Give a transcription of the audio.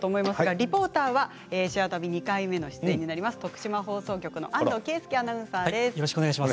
リポーターは「シェア旅」２回目の出演になります、徳島放送局の安藤佳祐アナウンサーです。